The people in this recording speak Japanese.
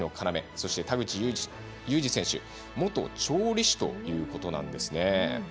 そして田口侑治選手は元調理師ということです。